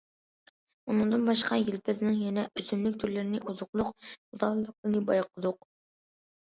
ئۇنىڭدىن باشقا يىلپىزنىڭ يەنە ئۆسۈملۈك تۈرلىرىنى ئوزۇقلۇق قىلىدىغانلىقىنى بايقىدۇق.